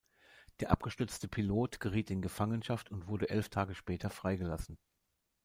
Der abgestürzte Pilot geriet in Gefangenschaft und wurde elf Tage später freigelassen.